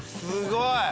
すごい。